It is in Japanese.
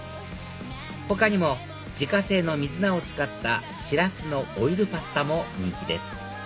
他にも自家製のミズナを使ったシラスのオイルパスタも人気です